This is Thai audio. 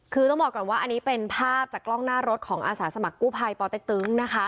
คือต้องบอกก่อนว่าอันนี้เป็นภาพจากกล้องหน้ารถของอาสาสมัครกู้ภัยปเต็กตึงนะคะ